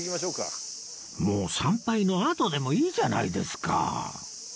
もう参拝のあとでもいいじゃないですか